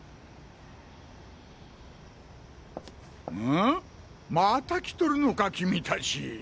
ん？また来とるのか君たち。